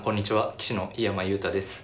棋士の井山裕太です。